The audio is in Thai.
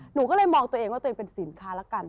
หนูก็เลยมองตัวเองว่าตัวเองเป็นสินค้าละกัน